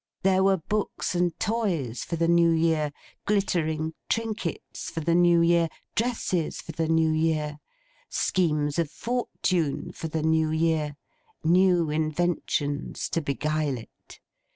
There were books and toys for the New Year, glittering trinkets for the New Year, dresses for the New Year, schemes of fortune for the New Year; new inventions to beguile it.